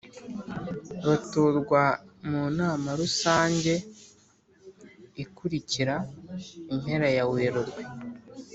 Batorwa mu nama rusange ikurikira impera ya Werurwe